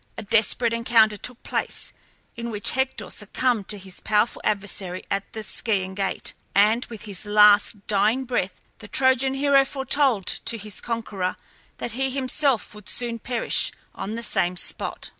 A desperate encounter took place, in which Hector succumbed to his powerful adversary at the Scaean gate; and with his last dying breath the Trojan hero foretold to his conqueror that he himself would soon perish on the same spot.